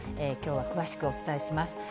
きょうは詳しくお伝えします。